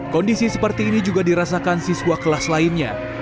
kondisi seperti ini juga dirasakan siswa kelas lainnya